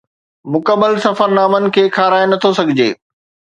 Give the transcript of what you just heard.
مڪمل سفرنامن کي کارائي نه ٿو سگهجي